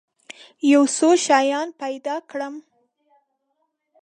یو څو شیان پیدا کړم.